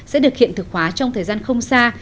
sẽ được hiện thực hóa trong thời gian không xa